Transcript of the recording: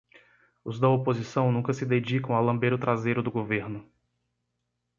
Os da oposição nunca se dedicam a lamber o traseiro do governo.